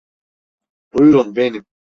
Buyurun benim.